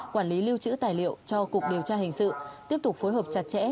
quản lý lưu trữ tài liệu cho cục điều tra hình sự tiếp tục phối hợp chặt chẽ